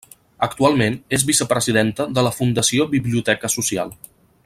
Actualment és vicepresidenta de la Fundació Biblioteca Social.